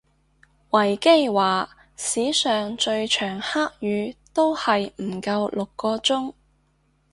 維基話史上最長黑雨都係唔夠六個鐘